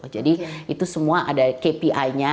jadi itu semua ada kpi nya